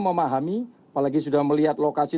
memahami apalagi sudah melihat lokasi